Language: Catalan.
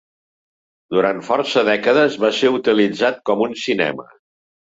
Durant força dècades va ser utilitzat com un cinema.